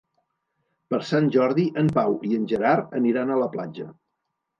Per Sant Jordi en Pau i en Gerard aniran a la platja.